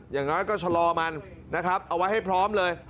อย่างน้อยก็ชะลอมันนะครับเอาไว้ให้พร้อมเลย